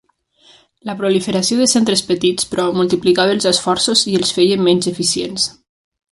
La proliferació de centres petits, però, multiplicava els esforços i els feia menys eficients.